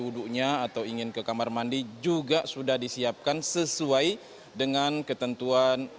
duduknya atau ingin ke kamar mandi juga sudah disiapkan sesuai dengan ketentuan